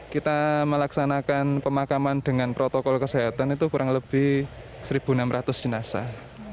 kita melaksanakan pemakaman dengan protokol kesehatan itu kurang lebih satu enam ratus jenazah